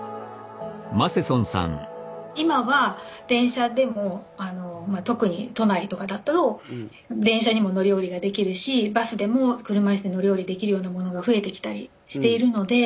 今は電車でも特に都内とかだと電車にも乗り降りができるしバスでも車いすで乗り降りできるようなものが増えてきたりしているので。